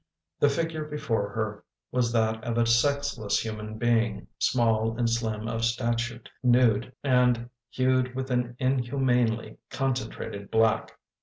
The figure before her was that of a sexless human being, small and slim of statute, nude, and hued with an inhumanly con centrated black.